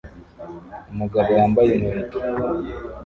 Umugabo wambaye inkweto